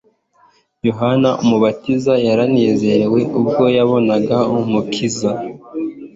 Yohana umubatiza yaranezerewe ubwo yabonaga Umukiza.